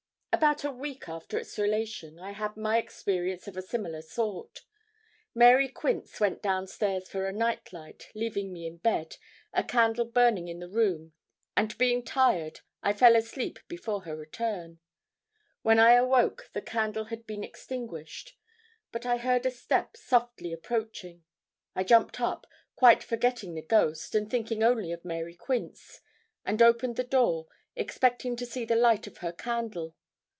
About a week after its relation, I had my experience of a similar sort. Mary Quince went down stairs for a night light, leaving me in bed, a candle burning in the room, and being tired, I fell asleep before her return. When I awoke the candle had been extinguished. But I heard a step softly approaching. I jumped up quite forgetting the ghost, and thinking only of Mary Quince and opened the door, expecting to see the light of her candle.